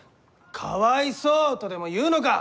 「かわいそう」とでも言うのか！？